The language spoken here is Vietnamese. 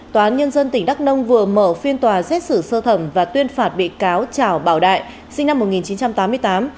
tòa án nhân dân tỉnh đắk nông vừa mở phiên tòa xét xử sơ thẩm và tuyên phạt bị cáo trảo bảo đại sinh năm một nghìn chín trăm tám mươi tám